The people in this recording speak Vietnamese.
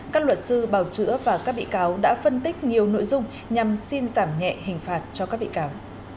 các luật sư bào chữa và các bị cáo đã phân tích nhiều nội dung nhằm xin giảm nhẹ hình phạt cho các bị cáo